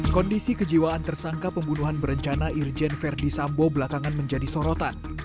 kondisi kejiwaan tersangka pembunuhan berencana irjen verdi sambo belakangan menjadi sorotan